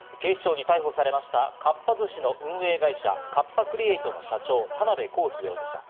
警視庁に逮捕されました、かっぱ寿司の運営会社、カッパ・クリエイトの社長・田辺公己容疑者。